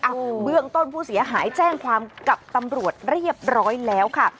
เบื้องต้นผู้เสียหายแจ้งความกับตำรวจเรียบร้อยแล้วค่ะ